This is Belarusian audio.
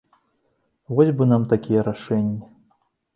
Вось бы нам такія рашэнні!